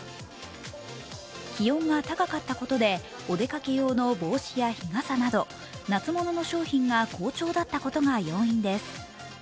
気温が高かったことでお出かけ用の帽子や日傘など、夏物の商品が好調だったことが要因です。